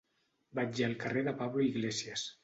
Vaig al carrer de Pablo Iglesias.